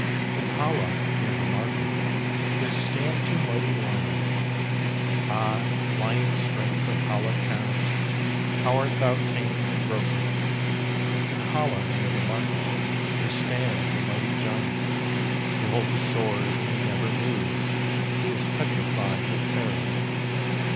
In Halle, near the market, There stand two mighty lions. Ah, lion strength of Halle town, How art thou tamed and broken! In Halle, near the market, There stands a mighty giant, He holds a sword and he never moves, He is petrified with terror.